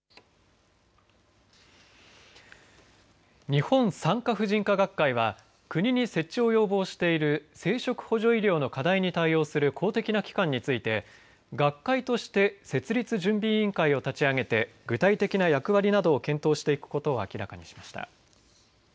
日本産科婦人科学会は国に設置を要望している生殖補助医療の課題に対応する公的な機関について学会として設立準備委員会を立ち上げて具体的な役割などを検討していくことを明らかにしました。